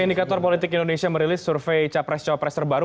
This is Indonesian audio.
indikator politik indonesia merilis survei capres cawapres terbaru